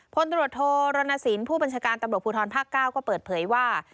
พลตรวจโทรรณสินผู้บัญชาการตำรวจภูทรภาค๙ก็เปิดเผยว่า